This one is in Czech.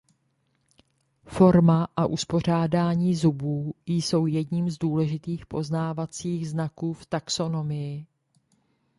Forma a uspořádání zubů jsou jedním z důležitých poznávací znaků v taxonomii.